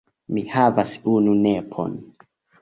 Mi havas unu nepon.